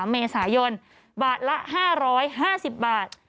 เมษายนบาทละ๕๕๐บาท